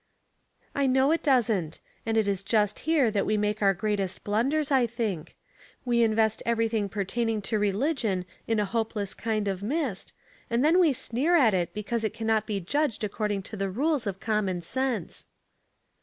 " I know it doesn't; and it is just here that we make our greatest blunders, I think. We invest everything pertaining to religion in a hopeless kind of mist, and then we sneer at it because it can not be judged according to the rules of common sense."